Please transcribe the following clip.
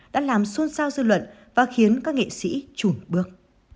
đã làm xôn xao dư luận và khiến các nghệ sĩ chùn bước